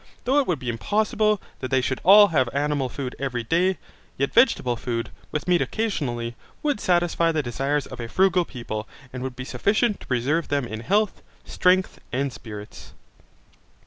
Though it would be impossible that they should all have animal food every day, yet vegetable food, with meat occasionally, would satisfy the desires of a frugal people and would be sufficient to preserve them in health, strength, and spirits.